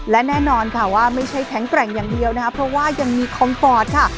และแน่นอนค่ะว่าไม่ใช่แข็งแกร่งอย่างเดียวนะคะเพราะว่ายังมีคอมฟอร์ตค่ะ